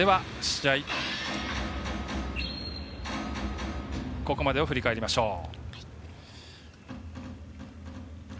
試合のここまでを振り返りましょう。